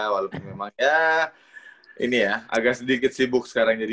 ya ini ya agak sedikit sibuk sekarang jadi